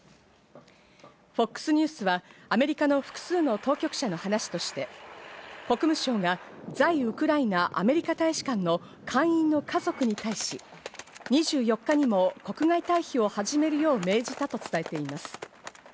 ＦＯＸニュースはアメリカの複数の当局者の話として、国務省が在ウクライナ・アメリカ大使館の館員の家族に対し、２４日にも国外退避を始めるよう命じたと伝えています。